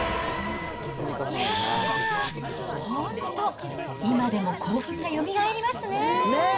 いやー、本当、今でも興奮がよみがえりますね。